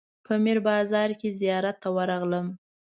په میر بازار کې زیارت ته ورغلم.